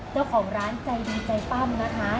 เจ้าของร้านใจดีใจปั้มนะคะ